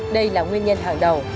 đây là nguyên nhân hả